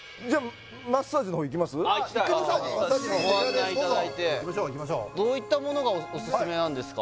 あっ行きたいご案内いただいてどういったものがおすすめなんですか？